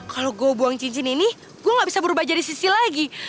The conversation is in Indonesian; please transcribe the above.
kalau gue buang cincin ini gue gak bisa berubah jadi sisi lagi